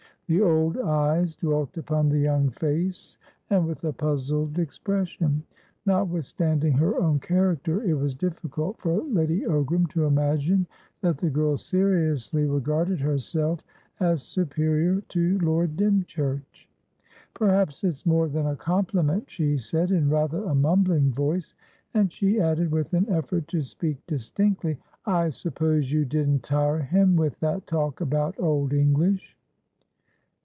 The old eyes dwelt upon the young face, and with a puzzled expression. Notwithstanding her own character, it was difficult for Lady Ogram to imagine that the girl seriously regarded herself as superior to Lord Dymchurch. "Perhaps it's more than a compliment," she said, in rather a mumbling voice; and she added, with an effort to speak distinctly, "I suppose you didn't tire him with that talk about Old English?"